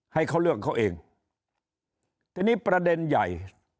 ให้เขาเรื่องเขาเองทีนี้ประเด็นใหญ่